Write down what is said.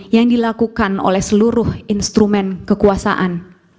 yang dilakukan oleh seluruh instrumen kekuasaan